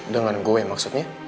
dengan gue maksudnya